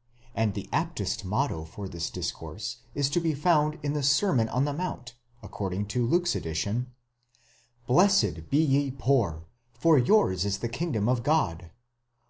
® and the aptest motto for this discourse is to be found in the Sermon on the Mount, according to Luke's edition: Blessed be ye poor, Jor yours ts the kingdom of God!